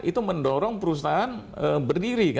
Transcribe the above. itu mendorong perusahaan berdiri